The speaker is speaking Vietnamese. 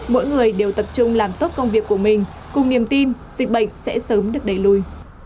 mỗi người đều tập trung làm tốt công việc của mình cùng niềm tin dịch bệnh sẽ sớm được đẩy lùi